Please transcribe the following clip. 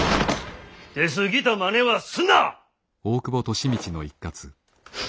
出過ぎたまねはすんな！